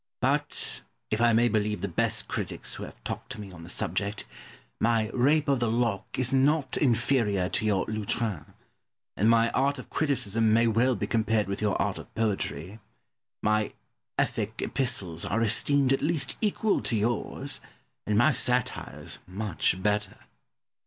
But, if I may believe the best critics who have talked to me on the subject, my "Rape of the Lock" is not inferior to your "Lutrin;" and my "Art of Criticism" may well be compared with your "Art of Poetry;" my "Ethic Epistles" are esteemed at least equal to yours; and my "Satires" much better.